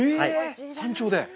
山頂で！？